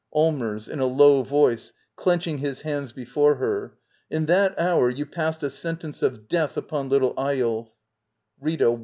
Allmers. [In a low voice, clenching his hands j/^ before her.] In that hour you passed a sentence of death upon little Eyolf. /Rita.